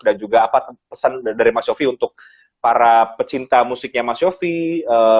juga apa pesan dari mas shofi untuk para pecinta musiknya mas shofie